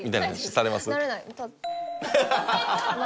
されない。